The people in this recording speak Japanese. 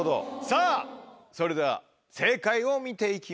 さぁそれでは正解を見て行きましょう。